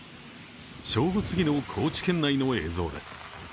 正午すぎの高知県内の映像です。